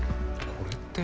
これって。